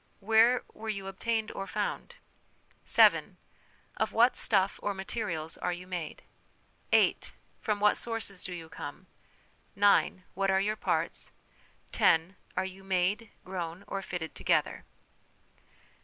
Where were you obtained or found ?" 7. Of what stuff or materials are you made ?" 8. From what sources do you come ?" 9. What are your parts ?" 10. Are you made, grown, or fitted together?